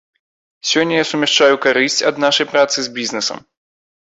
Сёння я сумяшчаю карысць ад нашай працы з бізнесам.